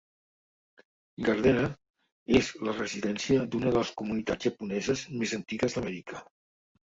Gardena és la residència d'una de les comunitats japoneses més antigues d'Amèrica.